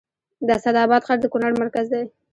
د اسعد اباد ښار د کونړ مرکز دی